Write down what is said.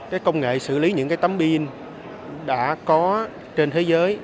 cái công nghệ xử lý những cái tấm pin đã có trên thế giới